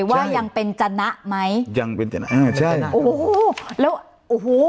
ว่ายังเป็นจนะไหมยังเป็นจนะอ่าใช่นะโอ้โหแล้วโอ้โห